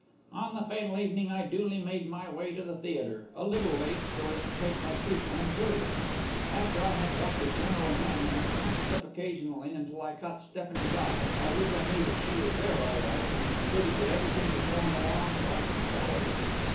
"On the fatal evening I duly made my way to the theatre a little late, so as to take my seat unobserved. After I had got the general hang I glanced up occasionally until I caught Stephanie's eye, by which I knew that she was there all right and concluded that everything was going along quite jollily.